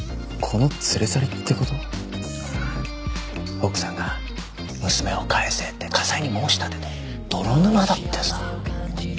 奥さんが「娘を返せ！」って家裁に申し立てて泥沼だってさ。